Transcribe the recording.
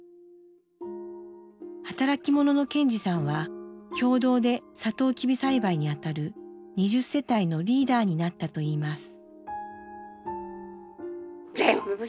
働き者の賢二さんは共同でサトウキビ栽培にあたる２０世帯のリーダーになったといいます。